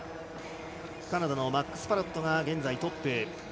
カナダのマックス・パロットが現在トップ。